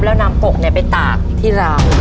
แล้วนำกกไปตากที่ราว